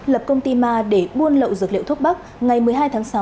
lập công ty ma để buôn lậu dược liệu thuốc bắc ngày một mươi hai tháng sáu